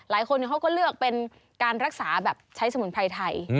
หลายคนเขาก็เลือกเป็นการรักษาแบบใช้สมุนไพรไทย